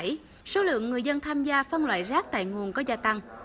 tuy nhiên số lượng người dân tham gia phân loại rác tại nguồn có gia tăng